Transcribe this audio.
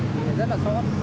thì rất là xót